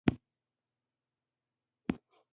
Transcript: غول د حساسیت دروازه پرانیزي.